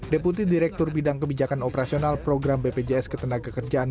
deputi direktur bidang kebijakan operasional program bpjs ketenagakerjaan